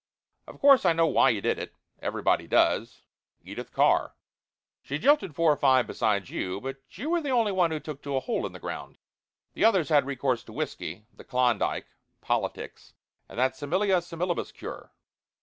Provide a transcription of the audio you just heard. Of course I know why you did it. Everybody does. Edith Carr. She jilted four or five besides you. But you were the only one who took to a hole in the ground. The others had recourse to whiskey, the Klondike, politics, and that similia similibus cure.